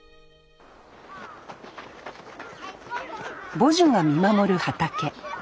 母樹が見守る畑。